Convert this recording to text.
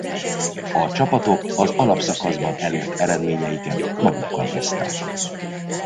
A csapatok az alapszakaszban elért eredményeiket magukkal hozták.